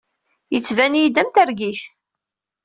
Yettban-iyi-d am targit.